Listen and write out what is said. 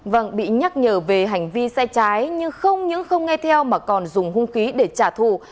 vâng bị nhắc nhở về hành vi sai trái nhưng không những không nghe theo mà còn dùng hung khí để trả thù